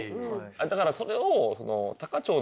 だからそれを。